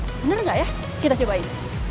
benar nggak ya kita cobain